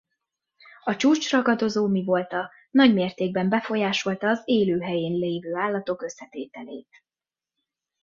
A csúcsragadozó mivolta nagymértékben befolyásolta az élőhelyén levő állatok összetételét.